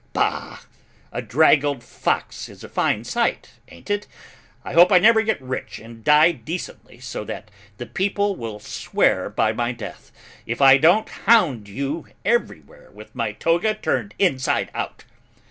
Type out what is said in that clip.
Bah! A draggled fox is a fine sight, ain't it'? I hope I never get rich and die decently so that the people will swear by my death, if I don't hound you everywhere with my toga turned inside out.